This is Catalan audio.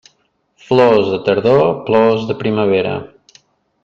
Flors de tardor, plors de primavera.